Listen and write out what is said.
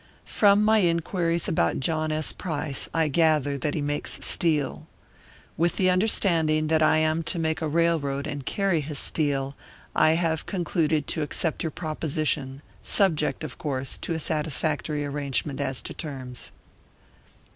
"From my inquiries about John S. Price, I gather that he makes steel. With the understanding that I am to make a railroad and carry his steel, I have concluded to accept your proposition, subject, of course, to a satisfactory arrangement as to terms."